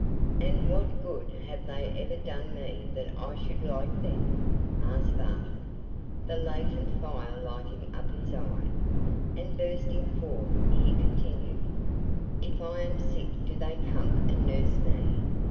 "And what good have they ever done me that I should like them?" asked Barton, the latent fire lighting up his eye: and bursting forth, he continued, "If I am sick, do they come and nurse me?